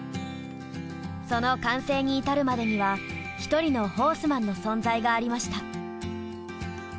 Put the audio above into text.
その完成に至るまでには１人のホースマンの存在がありました。